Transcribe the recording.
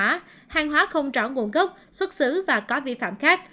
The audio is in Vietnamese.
hành vi phạm hàng hóa không rõ nguồn gốc xuất xứ và có vi phạm khác